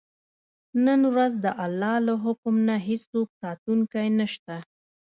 نن ورځ د الله له حکم نه هېڅوک ساتونکی نه شته.